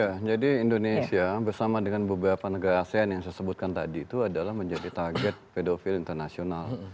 ya jadi indonesia bersama dengan beberapa negara asean yang saya sebutkan tadi itu adalah menjadi target pedofil internasional